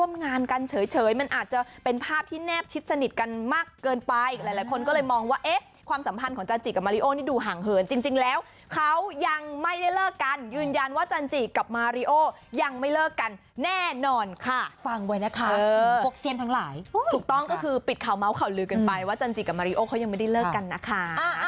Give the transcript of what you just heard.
มันยันว่าจันจีกับมาริโอยังไม่เลิกกันแน่นอนค่ะฟังไว้นะคะพวกเซียนทั้งหลายถูกต้องก็คือปิดข่าวเมาส์ข่าวลือกันไปว่าจันจีกับมาริโอเขายังไม่ได้เลิกกันนะคะ